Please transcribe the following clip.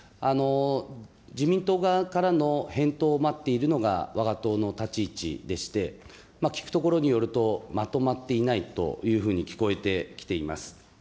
自民党側からの返答を待っているのがわが党の立ち位置でして、聞くところによるとまとまっていないというふうに聞こえてきています。